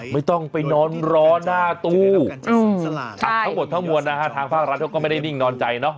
ไม่ต้องไปนอนรอหน้าตู้ทั้งหมดทั้งมวลนะฮะทางภาครัฐเขาก็ไม่ได้นิ่งนอนใจเนอะ